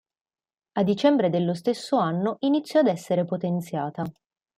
A dicembre dello stesso anno iniziò ad essere potenziata.